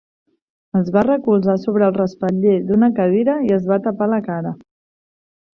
Es va recolzar sobre el respatller d'una cadira i es va tapar la cara.